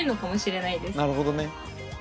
なるほどね。